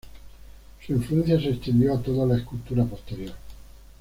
Su influencia se extendió a toda la escultura posterior.